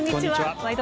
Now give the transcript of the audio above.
「ワイド！